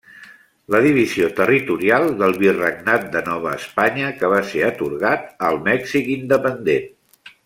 La divisió territorial del virregnat de Nova Espanya que va ser atorgat al Mèxic independent.